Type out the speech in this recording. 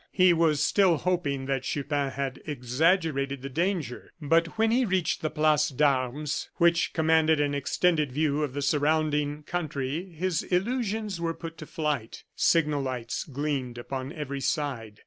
He was still hoping that Chupin had exaggerated the danger; but when he reached the Place d'Arms, which commanded an extended view of the surrounding country, his illusions were put to flight. Signal lights gleamed upon every side.